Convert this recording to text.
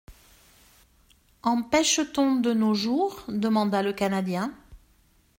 —En pêche-t-on de nos jours ? demanda le Canadien.